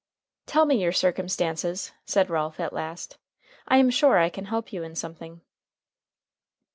"Tell me your circumstances," said Ralph, at last. "I am sure I can help you in something."